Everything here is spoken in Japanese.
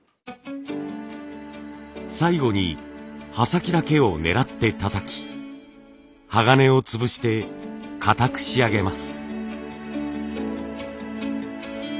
最後に刃先だけを狙ってたたき鋼を潰して硬く仕上げます。